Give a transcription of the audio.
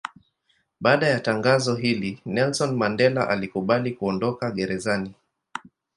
Baada ya tangazo hili Nelson Mandela alikubali kuondoka gerezani.